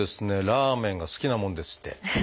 ラーメンが好きなもんでして。